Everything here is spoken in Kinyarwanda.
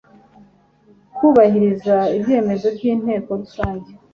kubahiriza ibyemezo by inteko rusange